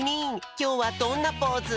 きょうはどんなポーズ？